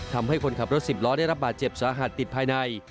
ทำให้คนขับรถสิบล้อได้รับบาดเจ็บสาหัสติดภายใน